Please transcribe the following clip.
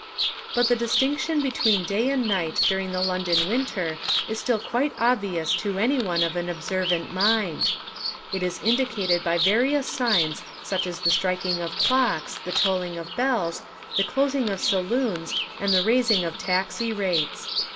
But the distinction between day and night during the London winter is still quite obvious to any one of an observant mind. It is indicated by various signs such as the striking of clocks, the tolling of bells, the closing of saloons, and the raising of taxi rates.